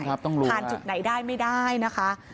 ผ่านจุดไหนได้ไม่ได้นะคะ